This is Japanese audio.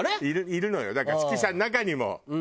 いるのよだから指揮者の中にも。